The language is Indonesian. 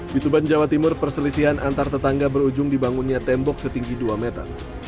di tuban jawa timur perselisihan antar tetangga berujung dibangunnya tembok setinggi dua meter